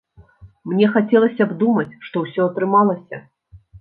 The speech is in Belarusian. Мне хацелася б думаць, што ўсё атрымалася.